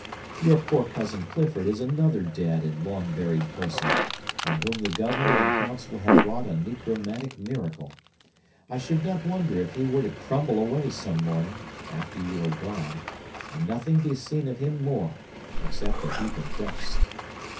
Your poor cousin Clifford is another dead and long buried person, on whom the governor and council have wrought a necromantic miracle. I should not wonder if he were to crumble away, some morning, after you are gone, and nothing be seen of him more, except a heap of dust.